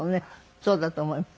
そうだと思います。